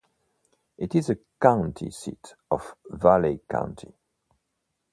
It is the county seat of Valley County.